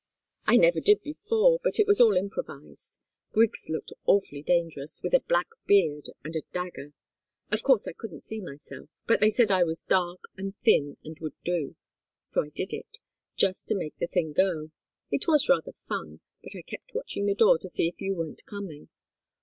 "I never did before but it was all improvised. Griggs looked awfully dangerous with a black beard and a dagger. Of course I couldn't see myself, but they said I was dark and thin and would do; so I did it, just to make the thing go. It was rather fun but I kept watching the door to see if you weren't coming.